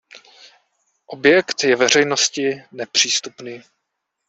Objekt je veřejnosti nepřístupný.